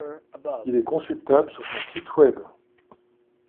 Il est consultable sur son site Web.